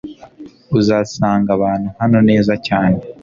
uzasanga abantu hano neza cyane